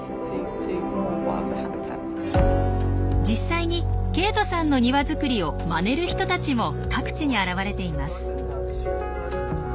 実際にケイトさんの庭づくりをまねる人たちも各地に現れています。